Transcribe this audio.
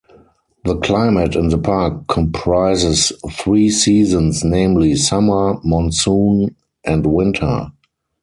The climate in the park comprises three seasons namely, summer, monsoon, and winter.